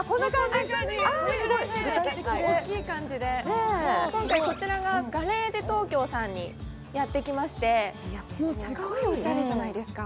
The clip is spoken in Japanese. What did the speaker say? ああすごい具体的で大きい感じで今回こちらがｇａｒａｇｅＴＯＫＹＯさんにやってきましてもうすっごいおしゃれじゃないですか？